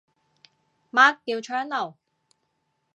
乜叫窗爐